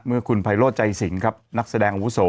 เมื่อคุณไพโรธใจสิงครับนักแสดงอาวุโส